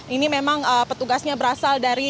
ini memang petugasnya berasal dari